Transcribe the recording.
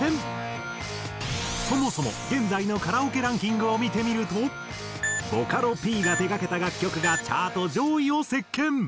そもそも現在のカラオケランキングを見てみるとボカロＰが手掛けた楽曲がチャート上位を席巻！